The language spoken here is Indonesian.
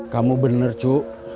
kamu bener cu